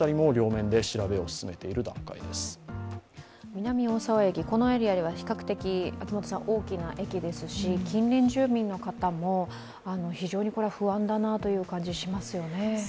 南大沢駅、このエリアは比較的大きな駅ですし近隣住民の方も非常に不安だなという感じがしますよね。